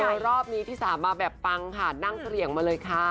รอบนี้พี่สามาแบบปังค่ะนั่งเกลี่ยงมาเลยค่ะ